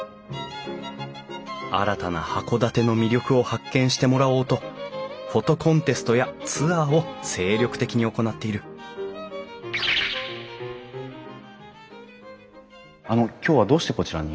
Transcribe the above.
新たな函館の魅力を発見してもらおうとフォトコンテストやツアーを精力的に行っているあの今日はどうしてこちらに？